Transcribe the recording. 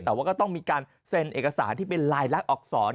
แต่ว่าก็ต้องมีการเซ็นเอกสารที่เป็นลายลักษณอักษร